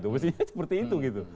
maksudnya seperti itu